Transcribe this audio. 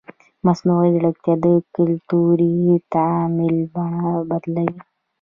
مصنوعي ځیرکتیا د کلتوري تعامل بڼه بدلوي.